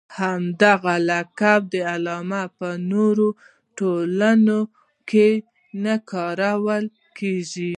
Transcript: همدا لقب علامه په نورو ټولنو کې نه کارول کېږي.